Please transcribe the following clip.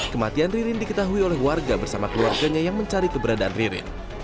kematian ririn diketahui oleh warga bersama keluarganya yang mencari keberadaan ririn